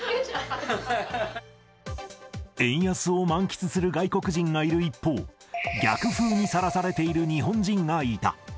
円安を満喫する外国人がいる一方、逆風にさらされている日本人がいた。